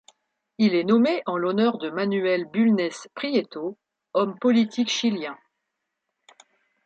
Il est nommé en l'honneur de Manuel Bulnes Prieto, homme politique chilien.